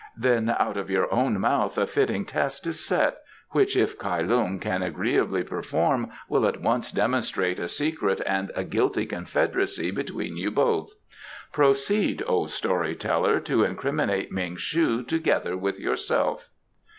"Then out of your own mouth a fitting test is set, which if Kai Lung can agreeably perform will at once demonstrate a secret and a guilty confederacy between you both. Proceed, O story teller, to incriminate Ming shu together with yourself!"